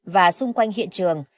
và xung quanh hiện trường